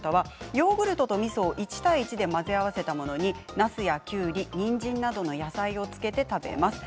新潟県５０代の方はヨーグルトとみそを１対１で混ぜ合わせたものになすやきゅうり、にんじんなどの野菜を漬けて食べます。